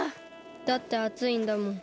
だってあついんだもん。